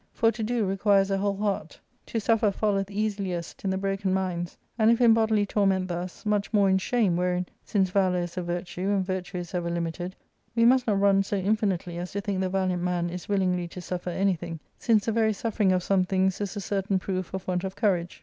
For to do requires a whole heart, to suffer falleth easiliest in the broken minds ; and if in bodily torment thus, much more in shame, wherein, since valour is a virtue^ and virtue is ever limited, we must not run so infinitely as to think the valiant man is willingly to suffer anything, since the very suffering of some things is a certain proof of want of courage.